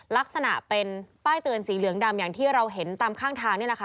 ลักษณะเป็นป้ายเตือนสีเหลืองดำอย่างที่เราเห็นตามข้างทางนี่แหละค่ะ